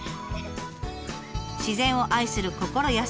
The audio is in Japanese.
自然を愛する心優